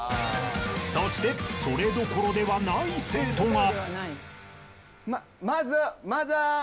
［そしてそれどころではない生徒が］Ｂａｂｙ！